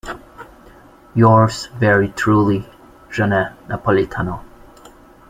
Yours very truly, Janet Napolitano.